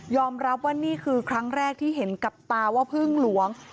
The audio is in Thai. รับว่านี่คือครั้งแรกที่เห็นกับตาว่าพึ่งหลวง